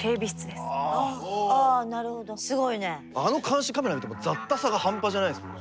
あの監視カメラ見ても雑多さが半端じゃないですもんね。